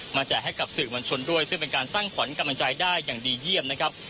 แจกให้กับสื่อมวลชนด้วยซึ่งเป็นการสร้างขวัญกำลังใจได้อย่างดีเยี่ยมนะครับ